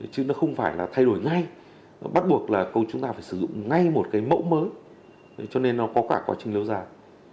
chứ nó không phải là thay đổi ngay bắt buộc là chúng ta phải sử dụng ngay một cái mẫu mới cho nên nó có cả quá trình lâu dài